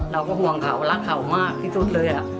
เราก็ห่วงเขารักเขามากที่สุดเลย